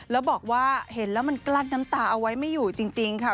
แล้วบอกว่าเห็นแล้วมันกลั้นน้ำตาเอาไว้ไม่อยู่จริงค่ะ